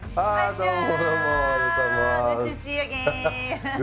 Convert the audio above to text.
どうも。